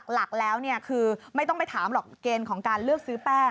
หลักแล้วคือไม่ต้องไปถามหรอกเกณฑ์ของการเลือกซื้อแป้ง